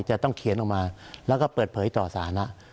จะต้องเขียนออกมาแล้วก็เปิดเผยต่อสาระ